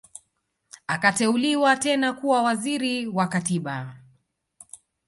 Akateuliwa tena kuwa Waziri wa Katiba